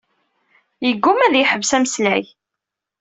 Yeggumma ad yeḥbes ameslay.